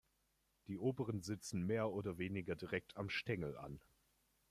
Die oberen sitzen mehr oder weniger direkt am Stängel an.